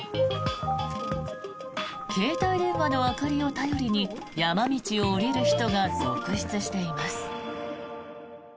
携帯電話の明かりを頼りに山道を下りる人が続出しています。